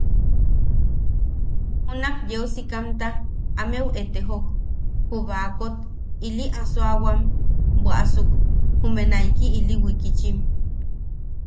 Junak yeu sikamta ameu etejok, ju baakot ili asoawam bwaʼasuk, jume naiki ili wikitchim.